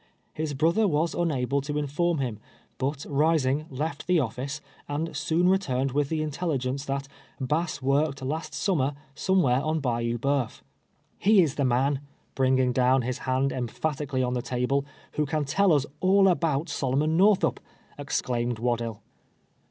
His brother was unable to inform him, but rising, left the ofiice, and soon returned with the intellijjence that " Bass work ed last summer somewhere on Bayou Bceuf." "He is the man," 'bringing down his hand emphat ically on the table,'" who can tell us all about Sol omon ISTorthup," exclaimed Waddill.